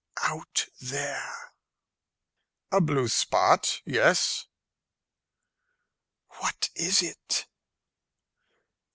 "Out there." "A blue spot? Yes." "What is it?"